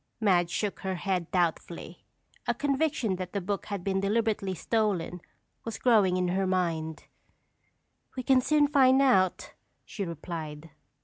Madge shook her head doubtfully. A conviction that the book had been deliberately stolen was growing in her mind. "We can soon find out," she replied.